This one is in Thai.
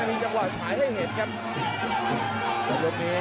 มีจังหวะฉายให้เห็นครับ